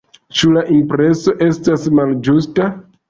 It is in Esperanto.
Ĉu la impreso estas malĝusta?